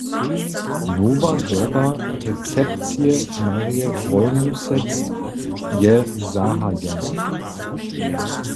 Nowa doba recepcije Marje Grólmusec je zahajena.